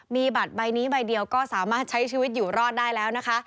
มีบัตรใบนี้ใบเดียวก็สามารถใช้ชีวิตอยู่รอดได้แล้วนะคะ